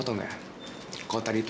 aku gak bisa sewa aku